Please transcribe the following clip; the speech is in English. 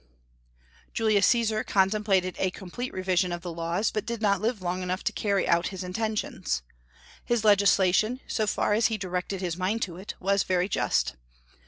D. Julius Caesar contemplated a complete revision of the laws, but did not live long enough to carry out his intentions. His legislation, so far as he directed his mind to it, was very just.